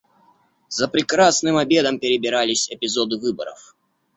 За прекрасным обедом перебирались эпизоды выборов.